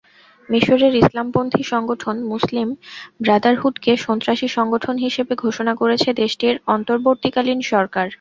মিসরের ইসলামপন্থী সংগঠন মুসলিম ব্রাদারহুডকে সন্ত্রাসী সংগঠন হিসেবে ঘোষণা করেছে দেশটির অন্তর্বর্তীকালীন সরকার।